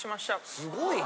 すごいね。